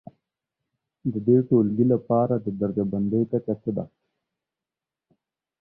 د دې ټولګي لپاره د درجه بندي کچه څه ده؟